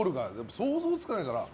想像つかないから。